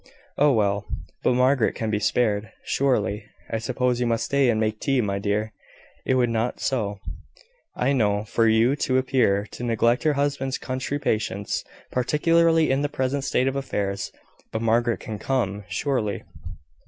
"Oh, well! But Margaret can be spared, surely. I suppose you must stay and make tea, my dear. It would not do, I know, for you to appear to neglect your husband's country patients particularly in the present state of affairs. But Margaret can come, surely.